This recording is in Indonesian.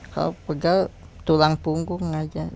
kalau pegel tulang punggung aja